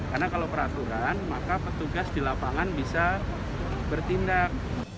karena kalau peraturan maka petugas di lapangan bisa bertindak